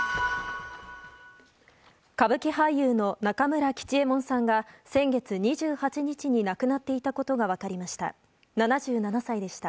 歌舞伎俳優の中村吉右衛門さんが先月２８日に亡くなっていたことが分かりました。